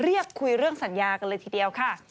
เรียกคุยเรื่องสัญญากันเลยทีเดียวค่ะ